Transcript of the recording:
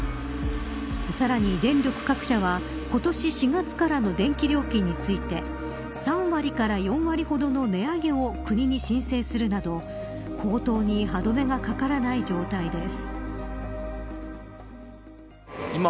さらに電力各社は今年４月からの電気料金について３割から４割ほどの値上げを国に申請するなど高騰に歯止めがかからない状態です。